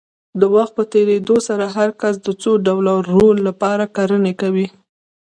د وخت په تېرېدو سره هر کس د څو ډوله رول لپاره کړنې کوي.